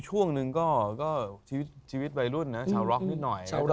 ช่วงนึงก็ชีวิตใบรุ่นน้อยจะร็อกนิดหน่อย